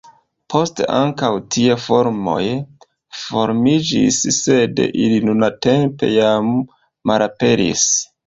Poste ankaŭ tie farmoj formiĝis, sed ili nuntempe jam malaperis.